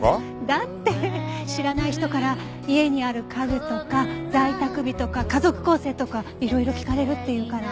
だって知らない人から家にある家具とか在宅日とか家族構成とかいろいろ聞かれるっていうから。